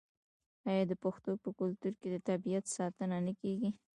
آیا د پښتنو په کلتور کې د طبیعت ساتنه نه کیږي؟